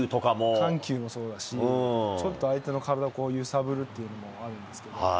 緩急もそうだし、ちょっと相手の体を揺さぶるっていうのもあるんですけど。